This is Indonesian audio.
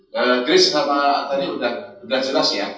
kris sama tadi sudah jelas ya